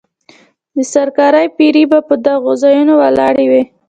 د سرکار پیرې به په دغو ځایونو ولاړې وې.